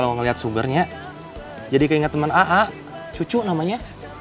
a t kalau ngelihat sugarnya jadi keingetan a a cucu namanya